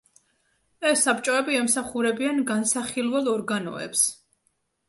ეს საბჭოები ემსახურებიან განსახილველ ორგანოებს.